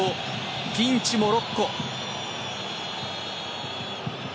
ピンチ、モロッコ。